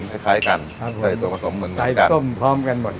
คล้ายคล้ายกันครับผมใส่ส่วนผสมเหมือนกันใส่ส้มพร้อมกันหมด